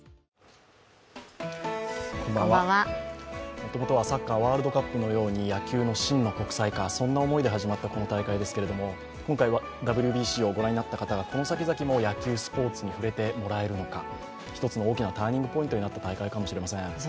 もともとはサッカーワールドカップのように野球の真の国際化、そんな思いで始まったこの大会ですけど今回はＷＢＣをご覧になった方が野球スポーツに触れてもらえるのか、一つの大きなターニングポイントになった大会かもしれません。